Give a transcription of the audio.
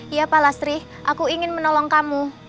ya pak lastri aku ingin menolong kamu